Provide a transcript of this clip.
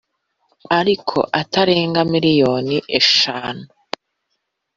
ariko atarenga miliyoni eshanu